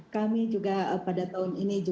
kami juga pada tahun ini